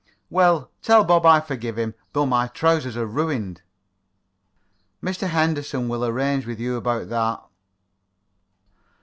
"Well, tell Bob I forgive him, though my trousers are ruined." "Mr. Henderson will arrange with you about that."